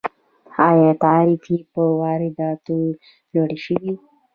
آیا تعرفې په وارداتو لوړې شوي؟